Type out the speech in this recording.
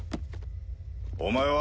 お前は？